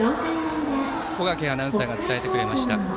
小掛アナウンサーが伝えてくれました。